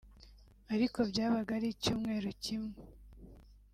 ariko byabaga ari icyumweru kimwe